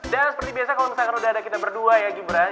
dan seperti biasa kalo misalkan udah ada kita berdua ya gibran